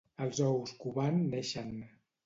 Els ous covant neixen.